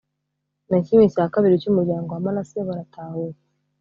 na kimwe cya kabiri cy'umuryango wa manase baratahuka